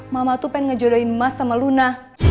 mama tuh pengen ngejodohin emas sama luna